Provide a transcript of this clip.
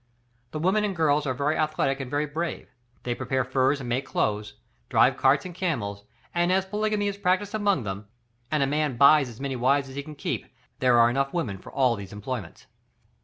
The women and girls are very athletic and very brave, they prepare furs and make clothes, drive carts and camels, and as polygamy is practised among them, and a man buys as many wives as he can keep, there are enough women for all these employments.